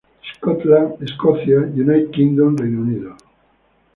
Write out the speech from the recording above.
Scotland-Escocia, United Kingdom-Reino Unido.